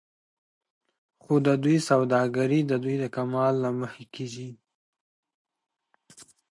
خو د دوى سوداګري د دوى د کمال له مخې کېږي